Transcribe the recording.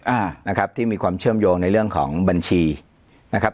อ่านะครับที่มีความเชื่อมโยงในเรื่องของบัญชีนะครับ